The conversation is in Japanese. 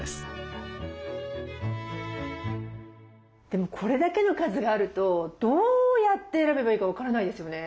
でもこれだけの数があるとどうやって選べばいいか分からないですよね。